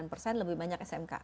tapi kan lebih banyak smk